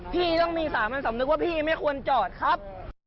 พี่ต้องมีสามัญสำนึกว่าพี่ไม่ควรจอดครับ